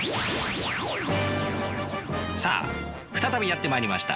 さあ再びやってまいりました